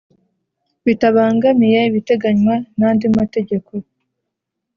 Bitabangamiye ibiteganywa n andi mategeko